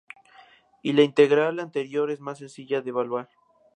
Y la integral anterior es más sencilla de evaluar.